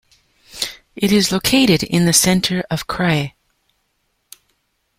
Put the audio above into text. It is located in the center of the krai.